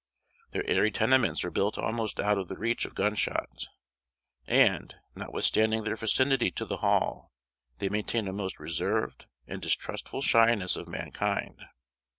Their airy tenements are built almost out of the reach of gunshot; and, notwithstanding their vicinity to the Hall, they maintain a most reserved and distrustful shyness of mankind.